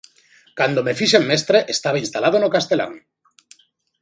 Cando me fixen mestre estaba instalado no castelán.